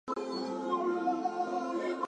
Its role varied during different reigns.